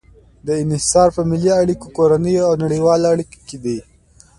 دا انحصار په محلي اړیکو، کورنیو او نړیوالو اړیکو کې دی.